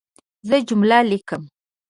زه جمله لیکم.